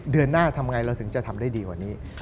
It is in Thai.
เดือนหน้าทำไงเราถึงจะทำได้ดีกว่านี้